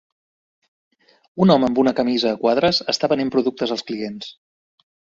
Un home amb una camisa a quadres està venent productes als clients.